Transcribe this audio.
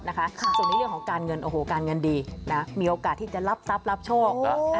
ส่วนในเรื่องของการเงินโอ้โหการเงินดีมีโอกาสที่จะรับทรัพย์รับโชค